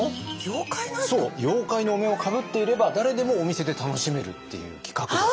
そう妖怪のお面をかぶっていれば誰でもお店で楽しめるっていう企画です。